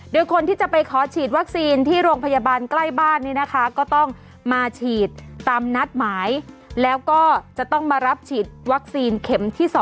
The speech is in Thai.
โดยคนที่จะไปขอฉีดวัคซีนที่โรงพยาบาลใกล้บ้านนี้นะคะก็ต้องมาฉีดตามนัดหมายแล้วก็จะต้องมารับฉีดวัคซีนเข็มที่๒